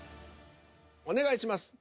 お願いします。